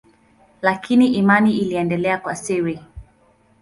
Lakini imani iliendelea kwa siri.